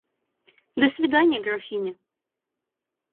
До свиданья, графиня.